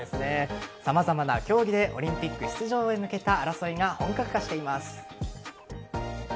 様々な競技でオリンピック出場へ向けた争いが本格化しています。